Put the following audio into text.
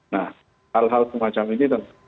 nah hal hal semacam ini tentu